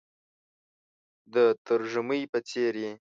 د ترږمۍ په څیرې،